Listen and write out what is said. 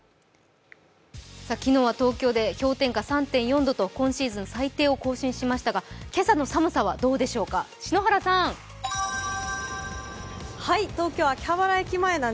昨日は東京で氷点下３．４度と今シーズン最低を更新しましたが今朝の寒さはどうでしょうか篠原さん。